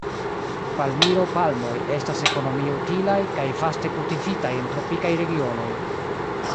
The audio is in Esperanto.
Palmiro-palmoj estas ekonomie utilaj, kaj vaste kultivitaj en tropikaj regionoj.